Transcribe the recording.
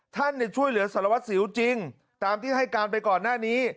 ช่วยเหลือสารวัตรสิวจริงตามที่ให้การไปก่อนหน้านี้